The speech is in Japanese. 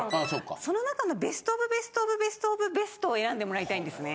その中のベストオブベストオブベストオブベストを選んでもらいたいんですね。